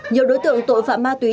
nhiều đối tượng tội phạm ma túy